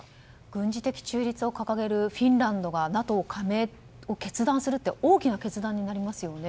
軍事的中立を掲げるフィンランドがＮＡＴＯ加盟を決断するって大きな決断になりますよね。